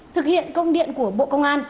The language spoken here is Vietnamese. thực hiện công điện của bộ công an